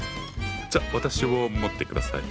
じゃ私をもって下さい。